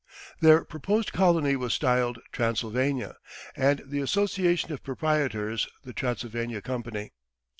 Their proposed colony was styled Transylvania, and the association of proprietors the Transylvania Company.